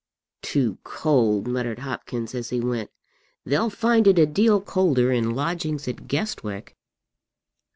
"Too cold!" muttered Hopkins, as he went. "They'll find it a deal colder in lodgings at Guestwick."